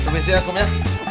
bersih atukum nya